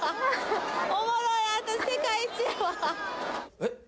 えっ？